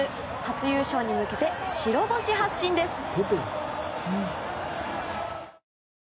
初優勝に向けて白星発進です。